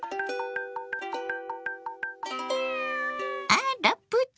あらプチ！